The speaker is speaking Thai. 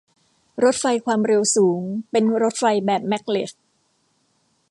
รถไฟความเร็วสูงเป็นรถไฟแบบแม็กเลฟ